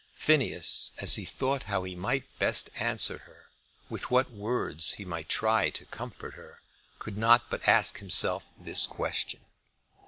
Phineas as he thought how he might best answer her, with what words he might try to comfort her, could not but ask himself this question.